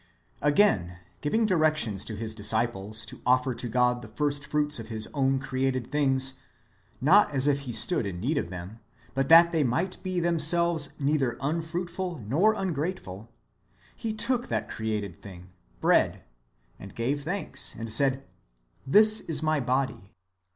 Again, giving directions to His disciples to offer to God the first fruits^ of His own created things — not as if He stood in need of them, but that they might be themselves neither unfruitful nor ungrateful — He took that created thing, bread, and gave thanks, and said, " This is my body."